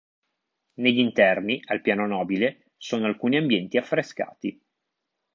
Negli interni, al piano nobile, sono alcuni ambienti affrescati.